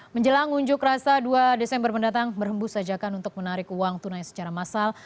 menjelang unjuk rasa dua desember mendatang berhembus ajakan untuk menarik uang tunai secara massal